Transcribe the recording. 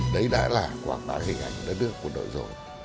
đấy đã là quảng bá hình ảnh đất nước quân đội rồi